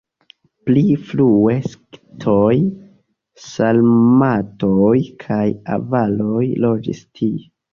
Pli frue skitoj, sarmatoj kaj avaroj loĝis tie.